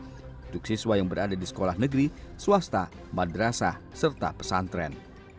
untuk siswa yang berada di sekolah negeri swasta madrasah serta pesantren